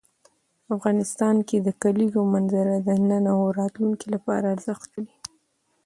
افغانستان کې د کلیزو منظره د نن او راتلونکي لپاره ارزښت لري.